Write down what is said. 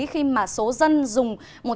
khi mà số dân dùng